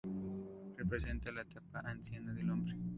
Representa la etapa anciana del hombre.